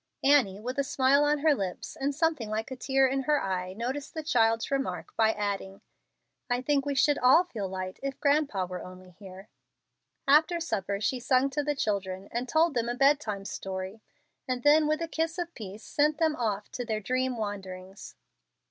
Annie, with a smile on her lips and something like a tear in her eye, noticed the child's remark by adding, "I think we should all feel light if grandpa were only here." After supper she sung to the children and told them a bedtime story, and then with a kiss of peace sent them off to their dream wanderings.